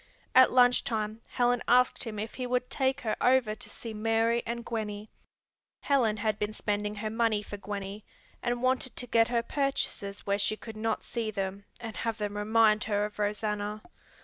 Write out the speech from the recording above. At lunch time Helen asked him if he would take her over to see Mary and Gwenny. Helen had been spending her money for Gwenny, and wanted to get her purchases where she could not see them and have them remind her of Rosanna.